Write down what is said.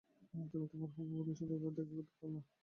তুমি তোমার হবু বধুর সাথে এইভাবে দেখা করতে পারোনা।